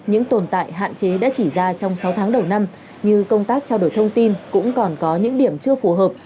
những tồn tại hạn chế đã chỉ ra trong sáu tháng đầu năm như công tác trao đổi thông tin cũng còn có những điểm chưa phù hợp